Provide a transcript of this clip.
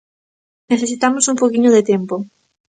Necesitamos un pouquiño de tempo.